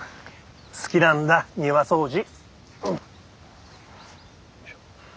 好きなんだ庭掃除。